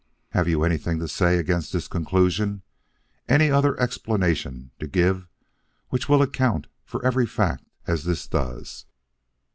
Have you anything to say against this conclusion? Any other explanation to give which will account for every fact as this does?"